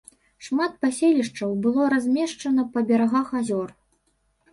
Шмат паселішчаў было размешчана па берагах азёр.